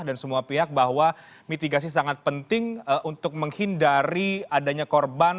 dan semua pihak bahwa mitigasi sangat penting untuk menghindari adanya korban